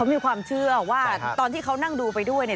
มีความเชื่อว่าตอนที่เขานั่งดูไปด้วยเนี่ย